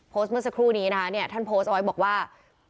เมื่อสักครู่นี้นะคะเนี่ยท่านโพสต์ไว้บอกว่า